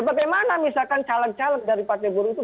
bagaimana misalkan caleg caleg dari partai buruh itu